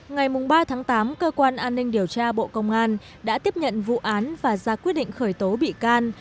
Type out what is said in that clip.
ngày ba tháng tám cơ quan an ninh điều tra bộ công an đã tiếp nhận vụ án và ra quyết định khởi tố bị can